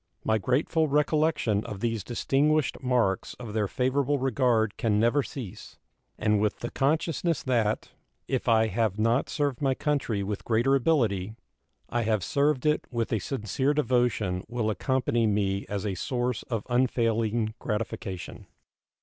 My grateful recollection of these distinguished marks of their favorable regard can never cease, and with the consciousness that, if I have not served my country with greater ability, I have served it with a sincere devotion will accompany me as a source of unfailing gratification.